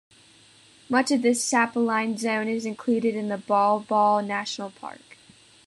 Much of this subalpine zone is included in the Baw Baw National Park.